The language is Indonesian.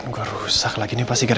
tidak ada yang bisa dikira